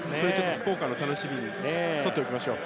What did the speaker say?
福岡の楽しみに取っておきましょう。